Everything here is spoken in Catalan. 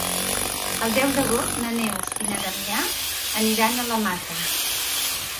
El deu d'agost na Neus i na Damià aniran a la Mata.